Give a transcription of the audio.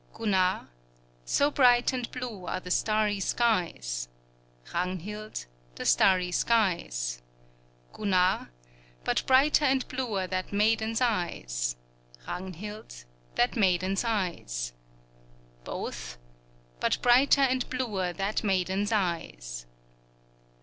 Gunnar So bright and blue are the starry skies, Ragnhild The starry skies; Gunnar But brighter and bluer that maiden's eyes, Ragnhild That maiden's eyes; Both But brighter and bluer that maiden's eyes.